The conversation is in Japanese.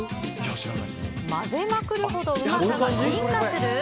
混ぜまくるほどうまさが進化する？